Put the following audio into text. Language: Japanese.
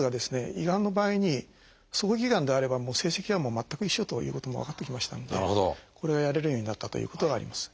胃がんの場合に早期がんであれば成績は全く一緒ということも分かってきましたのでこれがやれるようになったということがあります。